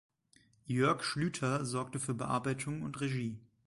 Jörg Schlüter sorgte für Bearbeitung und Regie.